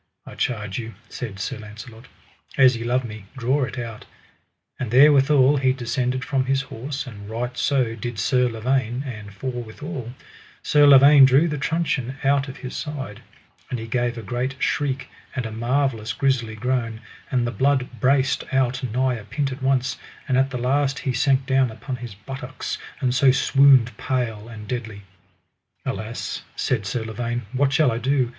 I charge you, said Sir Launcelot, as ye love me, draw it out. And therewithal he descended from his horse, and right so did Sir Lavaine; and forthwithal Sir Lavaine drew the truncheon out of his side, and he gave a great shriek and a marvellous grisly groan, and the blood brast out nigh a pint at once, that at the last he sank down upon his buttocks, and so swooned pale and deadly. Alas, said Sir Lavaine, what shall I do?